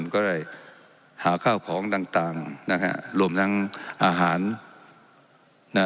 ก็ได้หาข้าวของต่างต่างนะฮะรวมทั้งอาหารนะ